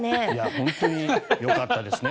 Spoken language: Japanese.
本当によかったですね。